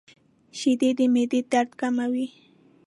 • شیدې د معدې درد کموي.